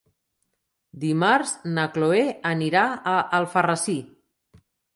Dimarts na Cloè anirà a Alfarrasí.